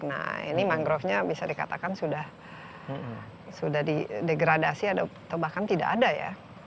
nah ini mangrovenya bisa dikatakan sudah didegradasi atau bahkan tidak ada ya